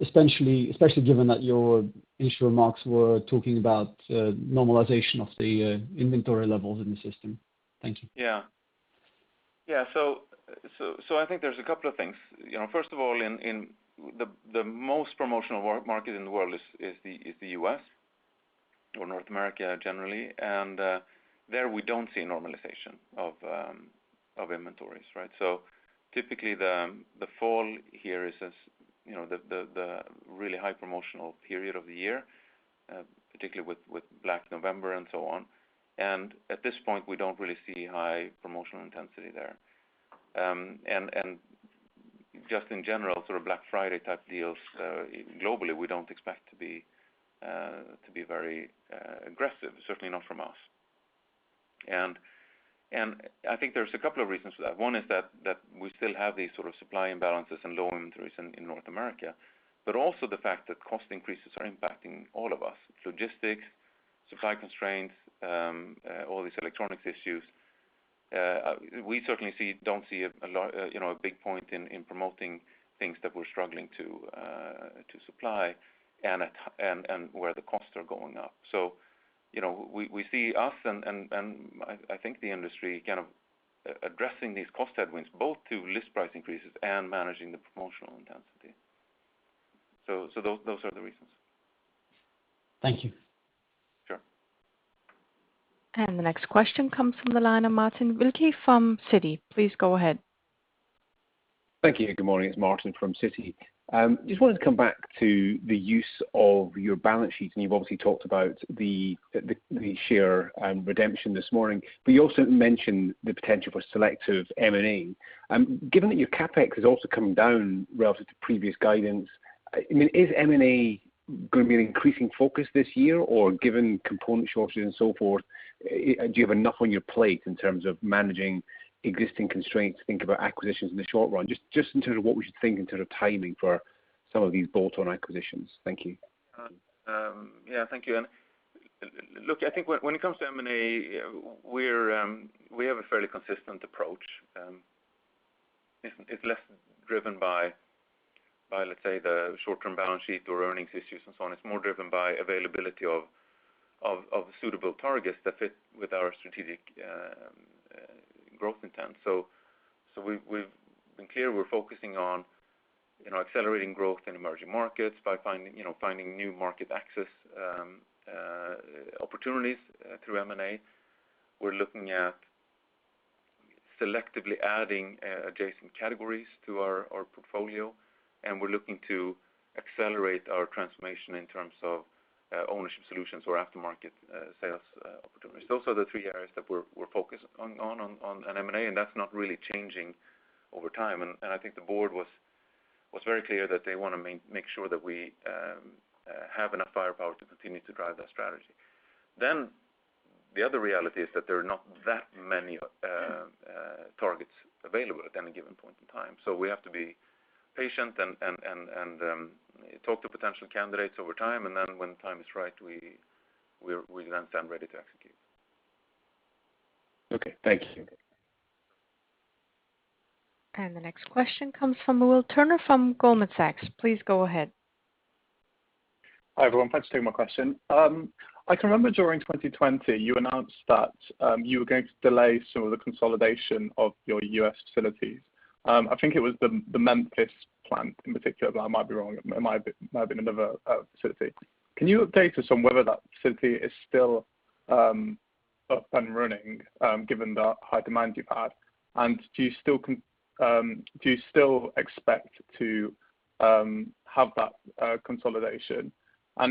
Especially given that your initial remarks were talking about normalization of the inventory levels in the system. Thank you. Yeah. I think there's a couple of things. First of all, the most promotional market in the world is the U.S., or North America generally, there we don't see normalization of inventories, right? Typically, the fall here is the really high promotional period of the year, particularly with Black November and so on. At this point, we don't really see high promotional intensity there. Just in general, sort of Black Friday type deals globally, we don't expect to be very aggressive, certainly not from us. I think there's a couple of reasons for that. One is that we still have these sort of supply imbalances and low inventories in North America, also the fact that cost increases are impacting all of us. Logistics, supply constraints, all these electronics issues. We certainly don't see a big point in promoting things that we're struggling to supply, and where the costs are going up. We see us, and I think the industry, kind of addressing these cost headwinds both to list price increases and managing the promotional intensity. Those are the reasons. Thank you. Sure. The next question comes from the line of Martin Wilkie from Citi. Please go ahead. Thank you. Good morning. It's Martin from Citi. Just wanted to come back to the use of your balance sheet, and you've obviously talked about the share redemption this morning, but you also mentioned the potential for selective M&A. Given that your CapEx has also come down relative to previous guidance, is M&A going to be an increasing focus this year? Given component shortages and so forth, do you have enough on your plate in terms of managing existing constraints to think about acquisitions in the short run? Just in terms of what we should think in terms of timing for some of these bolt-on acquisitions. Thank you. Yeah. Thank you. Look, I think when it comes to M&A, we have a fairly consistent approach. It's less driven by, let's say, the short-term balance sheet or earnings issues and so on. It's more driven by availability of suitable targets that fit with our strategic growth intent. We've been clear we're focusing on accelerating growth in emerging markets by finding new market access opportunities through M&A. We're looking at selectively adding adjacent categories to our portfolio, and we're looking to accelerate our transformation in terms of ownership solutions or aftermarket sales opportunities. Those are the three areas that we're focused on M&A, and that's not really changing over time. I think the board was very clear that they want to make sure that we have enough firepower to continue to drive that strategy. The other reality is that there are not that many targets available at any given point in time. We have to be patient and talk to potential candidates over time, and then when time is right, we're then stand ready to execute. Okay. Thank you. The next question comes from Will Turner from Goldman Sachs. Please go ahead. Hi, everyone. Thanks for taking my question. I can remember during 2020 you announced that you were going to delay some of the consolidation of your U.S. facilities. I think it was the Memphis plant in particular, I might be wrong. It might have been another facility. Can you update us on whether that facility is still up and running, given the high demand you've had? Do you still expect to have that consolidation?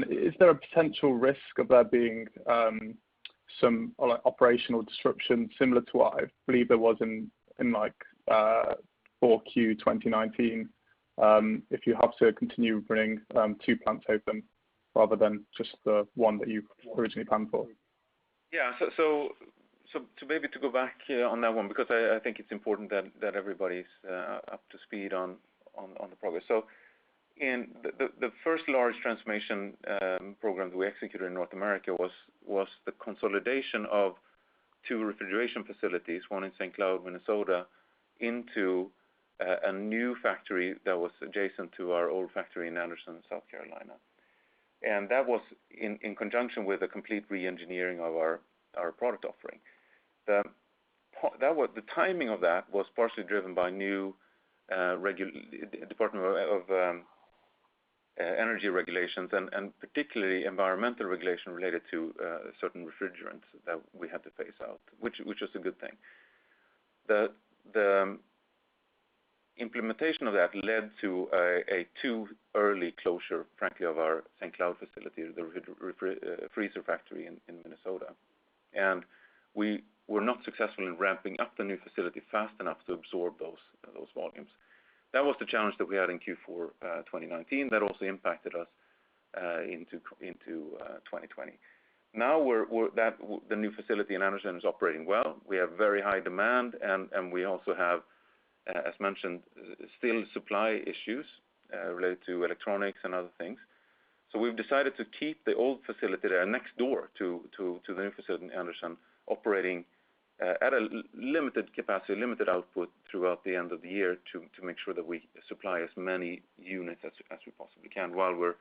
Is there a potential risk of there being some operational disruption similar to what I believe there was in 4Q 2019, if you have to continue running two plants open rather than just the one that you originally planned for? Yeah. Maybe to go back here on that one, because I think it's important that everybody's up to speed on the progress. In the first large transformation program that we executed in North America was the consolidation of two refrigeration facilities, one in St. Cloud, Minnesota, into a new factory that was adjacent to our old factory in Anderson, South Carolina. That was in conjunction with a complete re-engineering of our product offering. The timing of that was partially driven by new Department of Energy regulations and particularly environmental regulation related to certain refrigerants that we had to phase out, which is a good thing. Implementation of that led to a too early closure, frankly, of our St. Cloud facility, the freezer factory in Minnesota. We were not successful in ramping up the new facility fast enough to absorb those volumes. That was the challenge that we had in Q4 2019, that also impacted us into 2020. The new facility in Anderson is operating well. We have very high demand, and we also have, as mentioned, still supply issues related to electronics and other things. We've decided to keep the old facility that are next door to the new facility in Anderson, operating at a limited capacity, limited output throughout the end of the year to make sure that we supply as many units as we possibly can while we're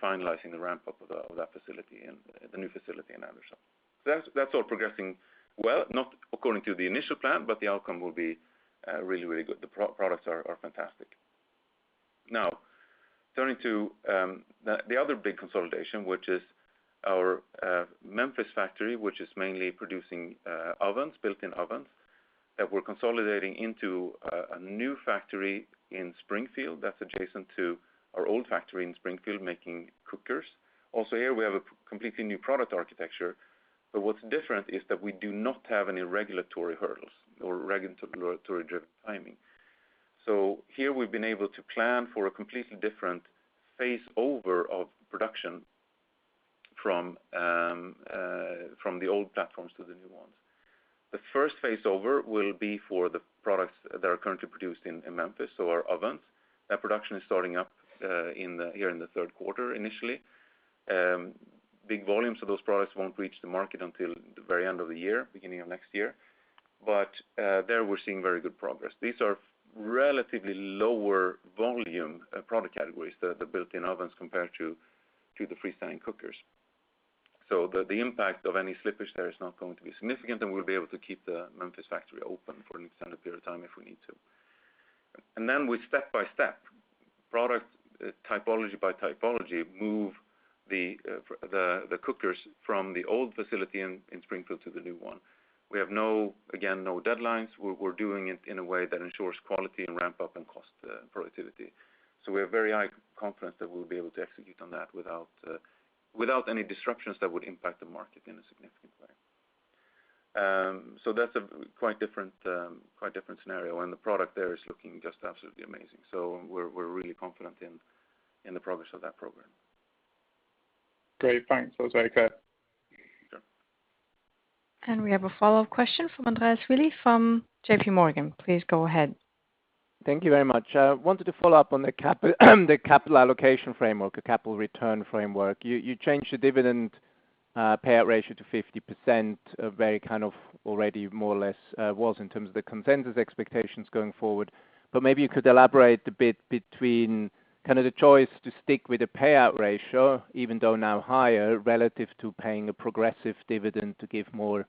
finalizing the ramp-up of that facility and the new facility in Anderson. That's all progressing well, not according to the initial plan, but the outcome will be really good. The products are fantastic. Turning to the other big consolidation, which is our Memphis factory, which is mainly producing built-in ovens, that we're consolidating into a new factory in Springfield that's adjacent to our old factory in Springfield, making cookers. Also here, we have a completely new product architecture, but what's different is that we do not have any regulatory hurdles or regulatory-driven timing. Here we've been able to plan for a completely different phase over of production from the old platforms to the new ones. The first phase over will be for the products that are currently produced in Memphis or our ovens. That production is starting up here in the third quarter, initially. Big volumes of those products won't reach the market until the very end of the year, beginning of next year. There, we're seeing very good progress. These are relatively lower volume product categories, the built-in ovens compared to the freestanding cookers. The impact of any slippage there is not going to be significant, and we'll be able to keep the Memphis factory open for an extended period of time if we need to. We step-by-step, product typology by typology, move the cookers from the old facility in Springfield to the new one. We have, again, no deadlines. We're doing it in a way that ensures quality and ramp-up in cost productivity. We have very high confidence that we'll be able to execute on that without any disruptions that would impact the market in a significant way. That's a quite different scenario, and the product there is looking just absolutely amazing. We're really confident in the progress of that program. Great. Thanks, for the color. We have a follow-up question from Andreas Willi from J.P. Morgan. Please go ahead. Thank you very much. I wanted to follow up on the capital allocation framework, the capital return framework. You changed the dividend payout ratio to 50%, very kind of already more or less was in terms of the consensus expectations going forward. Maybe you could elaborate a bit between kind of the choice to stick with the payout ratio, even though now higher relative to paying a progressive dividend to give more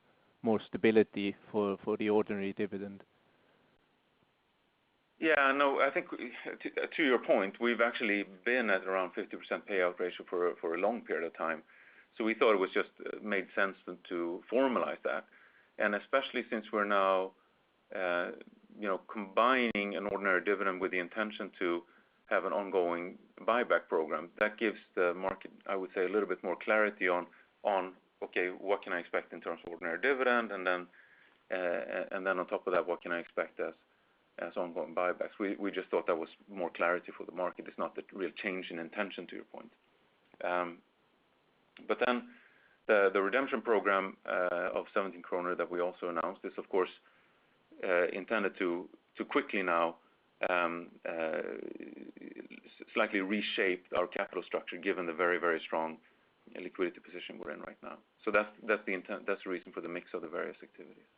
stability for the ordinary dividend. Yeah, no, I think to your point, we've actually been at around 50% payout ratio for a long period of time. We thought it just made sense then to formalize that, and especially since we're now combining an ordinary dividend with the intention to have an ongoing buyback program. That gives the market, I would say, a little bit more clarity on, okay, what can I expect in terms of ordinary dividend, and then on top of that, what can I expect as ongoing buybacks. We just thought that was more clarity for the market. It's not the real change in intention to your point. The redemption program of 17 kronor that we also announced, is of course, intended to quickly now slightly reshape our capital structure given the very strong liquidity position we're in right now. That's the reason for the mix of the various activities.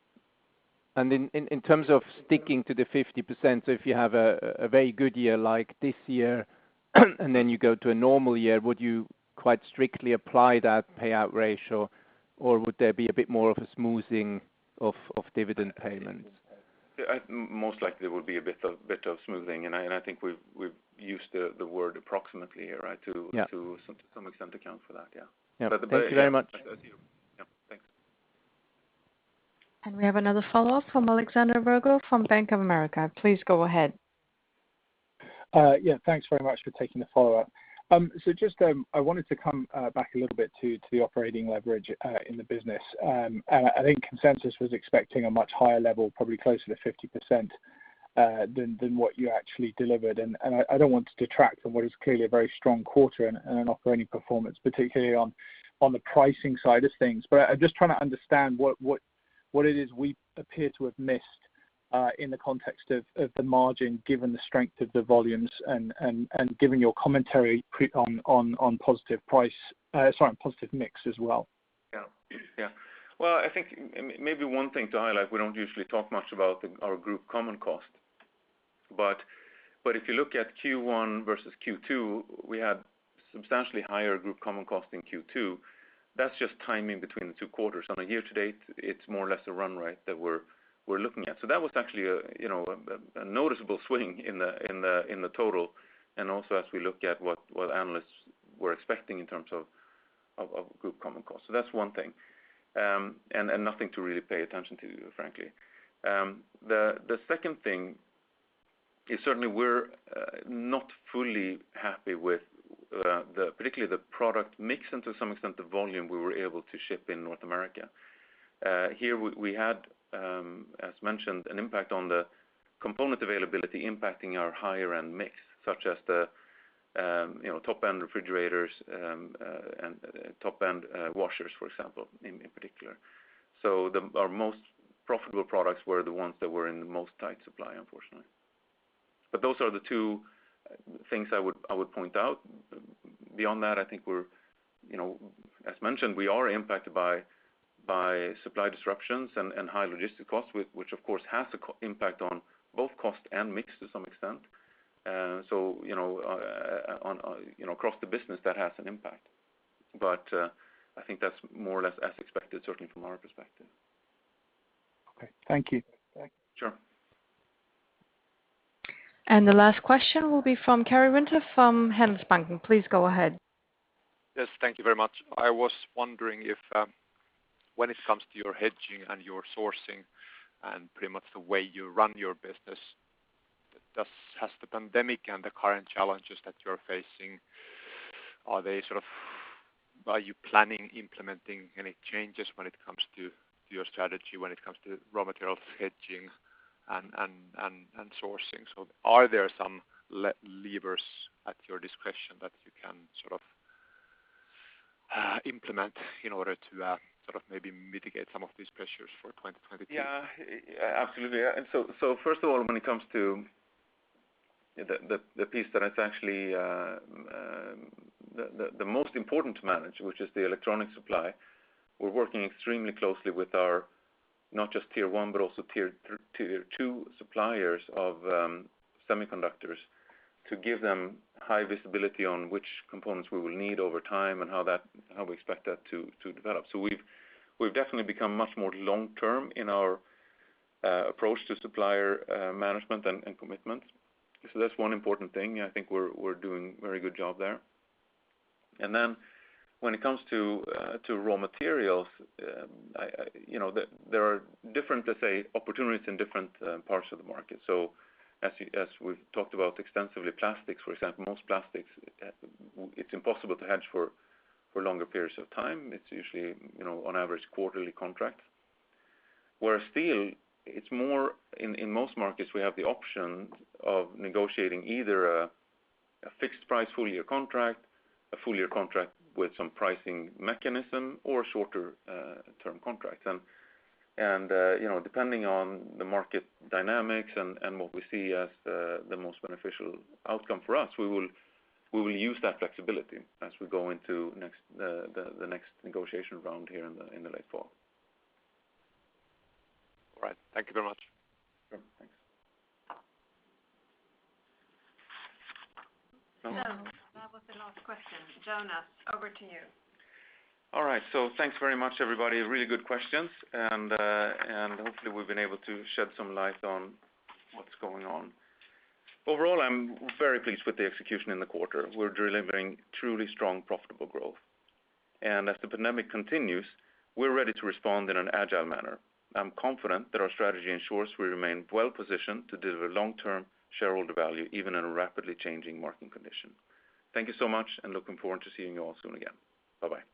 In terms of sticking to the 50%, so if you have a very good year like this year, and then you go to a normal year, would you quite strictly apply that payout ratio, or would there be a bit more of a smoothing of dividend payments? Most likely there will be a bit of smoothing, and I think we've used the word approximately here, right? Yeah. To some extent account for that, yeah. Yeah. Thank you very much. Back to you. Yeah, thanks. We have another follow-up from Alexander Virgo from Bank of America. Please go ahead. Yeah. Thanks very much for taking the follow-up. Just I wanted to come back a little bit to the operating leverage in the business. I think consensus was expecting a much higher level, probably closer to 50%, than what you actually delivered. I don't want to detract from what is clearly a very strong quarter and an operating performance, particularly on the pricing side of things. I'm just trying to understand what it is we appear to have missed in the context of the margin, given the strength of the volumes and given your commentary on positive mix as well. Yeah. Well, I think maybe one thing to highlight, we don't usually talk much about our group common cost. If you look at Q1 versus Q2, we had substantially higher group common cost in Q2. That's just timing between the two quarters. On a year to date, it's more or less a run rate that we're looking at. That was actually a noticeable swing in the total, and also as we look at what analysts were expecting in terms of group common cost. That's one thing, and nothing to really pay attention to, frankly. The second thing is certainly we're not fully happy with particularly the product mix and to some extent, the volume we were able to ship in North America. Here, we had, as mentioned, an impact on the component availability impacting our higher-end mix, such as the top-end refrigerators and top-end washers, for example, in particular. Our most profitable products were the ones that were in the most tight supply, unfortunately. Those are the two things I would point out. Beyond that, I think as mentioned, we are impacted by supply disruptions and high logistic costs, which of course has to impact on both cost and mix to some extent. Across the business that has an impact. I think that's more or less as expected, certainly from our perspective. Okay. Thank you. Sure. The last question will be from Karri Rinta from Handelsbanken. Please go ahead. Yes, thank you very much. I was wondering if when it comes to your hedging and your sourcing and pretty much the way you run your business, has the pandemic and the current challenges that you're facing, are you planning, implementing any changes when it comes to your strategy, when it comes to raw material hedging and sourcing? Are there some levers at your discretion that you can implement in order to maybe mitigate some of these pressures for 2022? Yeah. Absolutely. First of all, when it comes to the piece that is actually the most important to manage, which is the electronic supply, we're working extremely closely with our, not just Tier 1, but also Tier 2 suppliers of semiconductors to give them high visibility on which components we will need over time and how we expect that to develop. We've definitely become much more long-term in our approach to supplier management and commitment. That's one important thing, and I think we're doing a very good job there. When it comes to raw materials, there are different, let's say, opportunities in different parts of the market. As we've talked about extensively, plastics, for example, most plastics, it's impossible to hedge for longer periods of time. It's usually on average quarterly contract. Where steel, in most markets, we have the option of negotiating either a fixed price full year contract, a full year contract with some pricing mechanism or shorter term contracts. Depending on the market dynamics and what we see as the most beneficial outcome for us, we will use that flexibility as we go into the next negotiation round here in the late fall. All right. Thank you very much. Sure. Thanks. That was the last question. Jonas, over to you. All right. Thanks very much, everybody. Really good questions. Hopefully we've been able to shed some light on what's going on. Overall, I'm very pleased with the execution in the quarter. We're delivering truly strong, profitable growth. As the pandemic continues, we're ready to respond in an agile manner. I'm confident that our strategy ensures we remain well-positioned to deliver long-term shareholder value, even in a rapidly changing market condition. Thank you so much. Looking forward to seeing you all soon again. Bye-bye.